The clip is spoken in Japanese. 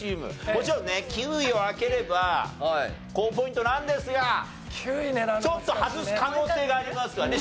もちろんね９位を開ければ高ポイントなんですがちょっと外す可能性がありますわね